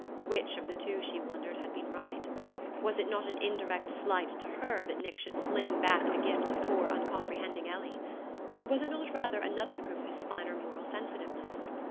Which of the two, she wondered, had been right? Was it not an indirect slight to her that Nick should fling back the gift to poor uncomprehending Ellie? Or was it not rather another proof of his finer moral sensitiveness!...